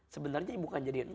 sebenarnya bukan jadi